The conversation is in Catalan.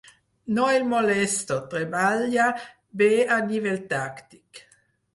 No el molesto, treballa bé a nivell tàctic.